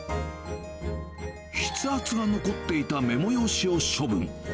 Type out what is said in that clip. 筆圧が残っていたメモ用紙を処分。